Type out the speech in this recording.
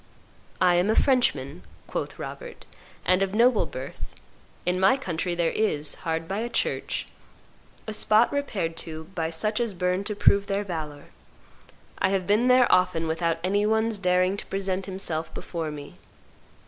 "I am a Frenchman," quoth Robert; "and of noble birth. In my country there is, hard by a church, a spot repaired to by such as burn to prove their valor. I have been there often without any one's daring to present himself before me."